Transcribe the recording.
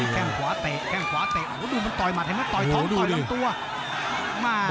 แข้งขวาเตะแข้งขวาเตะดูมันต่อยมันต่อยท้องต่อยล้ำตัว